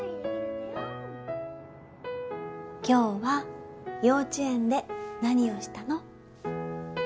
今日は幼稚園で何をしたの？